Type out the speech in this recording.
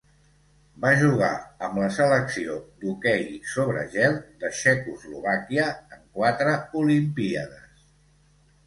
Va jugar amb la selecció d'hoquei sobre gel de Txecoslovàquia en quatre olimpíades.